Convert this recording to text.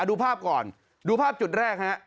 ดูภาพก่อนดูภาพจุดแรกฮะ